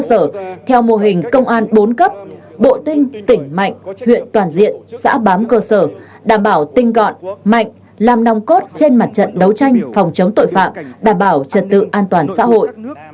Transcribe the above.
cơ sở theo mô hình công an bốn cấp bộ tinh tỉnh mạnh huyện toàn diện xã bám cơ sở đảm bảo tinh gọn mạnh làm nòng cốt trên mặt trận đấu tranh phòng chống tội phạm đảm bảo trật tự an toàn xã hội